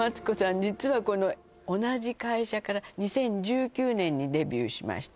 実はこの同じ会社から２０１９年にデビューしました